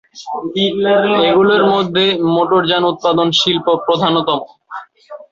এগুলির মধ্যে মোটরযান উৎপাদন শিল্প প্রধানতম।